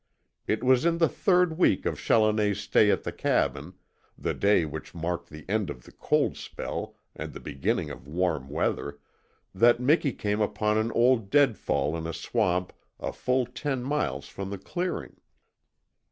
It was in the third week of Challoner's stay at the cabin, the day which marked the end of the cold spell and the beginning of warm weather, that Miki came upon an old dead fall in a swamp a full ten miles from the clearing.